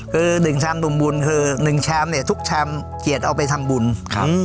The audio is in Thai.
คือหนึ่งชามหนุ่มบุญคือหนึ่งชามเนี่ยทุกชามเกียรติเอาไปทำบุญครับ